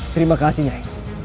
terima kasih nyai